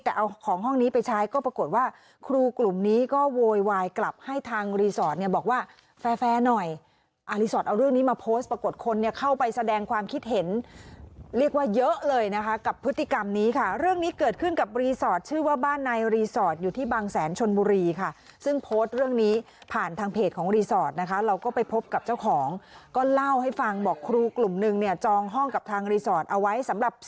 แล้วก็ปรากฏคนเนี่ยเข้าไปแสดงความคิดเห็นเรียกว่าเยอะเลยนะคะกับพฤติกรรมนี้ค่ะเรื่องนี้เกิดขึ้นกับลีสอร์ทชื่อว่าบ้านในลีสอร์ทอยู่ที่บางแสนชนบุรีค่ะซึ่งโพสต์เรื่องนี้ผ่านทางเพจของลีสอร์ทนะคะเราก็ไปพบกับเจ้าของก็เล่าให้ฟังบอกครูกลุ่มหนึ่งเนี่ยจองห้องกับทางลีสอร์ทเอาไว้สำหรับ